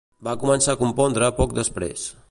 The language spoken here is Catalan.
Va començar a compondre poc després.